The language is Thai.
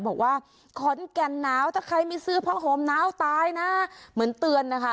บอกว่าขอนแก่นหนาวถ้าใครไม่ซื้อผ้าห่มหนาวตายนะเหมือนเตือนนะคะ